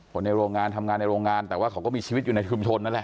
ในโรงงานทำงานในโรงงานแต่ว่าเขาก็มีชีวิตอยู่ในชุมชนนั่นแหละ